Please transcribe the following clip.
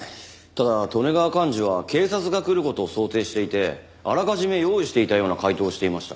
ただ利根川寛二は警察が来る事を想定していてあらかじめ用意していたような回答をしていました。